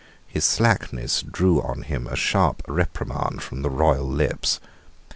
His slackness drew on him a sharp reprimand from the royal lips.